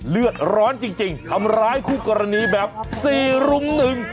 เลือดร้อนจริงจริงทำร้ายคู่กรณีแบบสี่รุ่มหนึ่ง